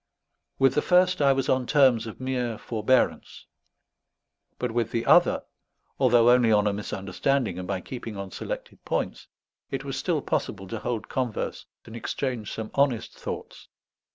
With the first I was on terms of mere forbearance; but with the other, although only on a misunderstanding and by keeping on selected points, it was still possible to hold converse and exchange some honest thoughts.